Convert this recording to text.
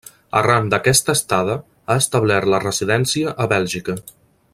Arran d'aquesta estada, ha establert la residència a Bèlgica.